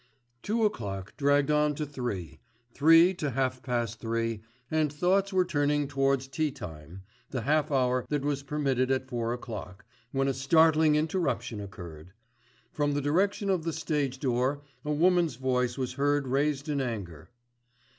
Two o'clock dragged on to three, three to half past three, and thoughts were turning towards tea time, the half hour that was permitted at four o'clock, when a startling interruption occurred. From the direction of the stage door a woman's voice was heard raised in anger.